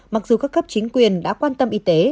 mặc dù các cấp chính quyền đã quan tâm y tế